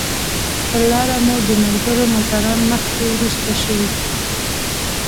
پر لاره مو د ملګرو موټران مخکې وروسته شوي.